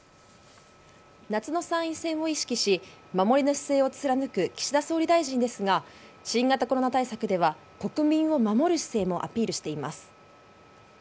夏の参院選を意識し、守りの姿勢を貫く岸田総理大臣ですが、新型コロナ対策では国民を守る姿勢もアピールしています。